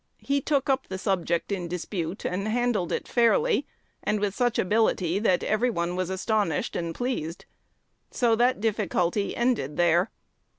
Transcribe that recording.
He took up the subject in dispute, and handled it fairly, and with such ability that every one was astonished and pleased. So that difficulty ended there.